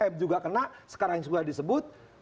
m juga kena sekarang yang sudah disebut